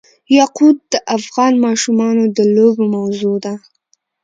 یاقوت د افغان ماشومانو د لوبو موضوع ده.